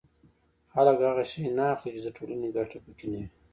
خلک هغه شی نه اخلي چې د ټولنې ګټه پکې نه وي